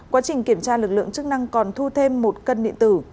quá trình kiểm tra lực lượng chức năng còn thu thêm một cân điện tử